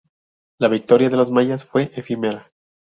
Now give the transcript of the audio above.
La victoria de los mayas fue efímera.